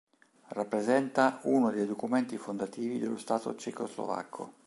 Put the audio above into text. Rappresenta uno dei documenti fondativi dello Stato ceco-slovacco.